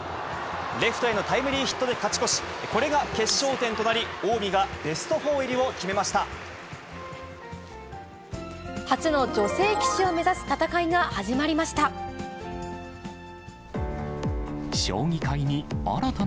レフトへのタイムリーヒットで勝ち越し、これが決勝点となり、初の女性棋士を目指す戦いが始まりました。